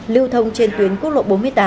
lưu thông trên tuyến quốc lộ bốn mươi tám